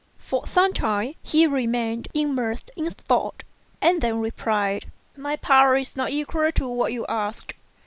For some time he remained immersed in thought, and then replied, "My power is not equal to what you ask.